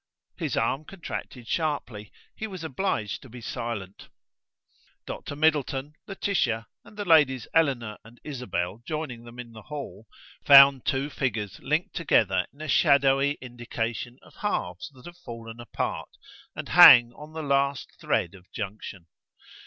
His arm contracted sharply. He was obliged to be silent. Dr Middleton, Laetitia, and the ladies Eleanor and Isabel joining them in the hall, found two figures linked together in a shadowy indication of halves that have fallen apart and hang on the last thread of junction.